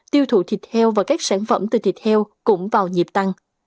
tiêu thụ thịt heo và các sản phẩm từ thịt heo cũng vào nhịp tăng